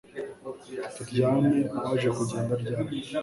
turyama waje kugenda ryari